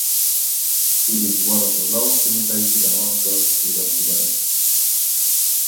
He is one of the most imitated announcers even today.